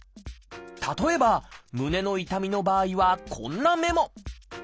例えば胸の痛みの場合はこんなメモ。